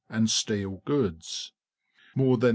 and steel goods. More than 3